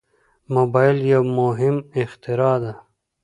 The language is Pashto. موبایل یو مهم اختراع ده.